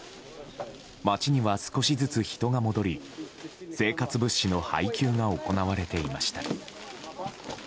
街には少しずつ人が戻り生活物資の配給が行われていました。